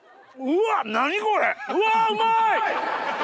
うわうまい！